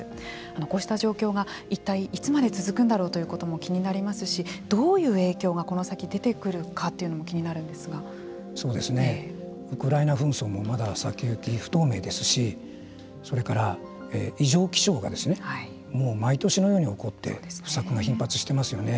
こうした状況が一体いつまで続くんだろうということも気になりますしどういう影響がこの先出てくるかというのもウクライナ紛争もまだ先行きが不透明ですしそれから異常気象がもう毎年のように起こって不作が頻発していますよね。